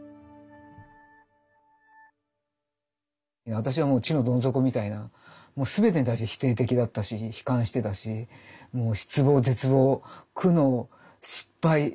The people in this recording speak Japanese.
私はもう地のどん底みたいな全てに対して否定的だったし悲観してたしもう失望絶望苦悩失敗。